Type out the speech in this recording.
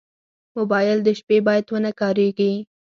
موبایل د شپې باید ونه کارېږي.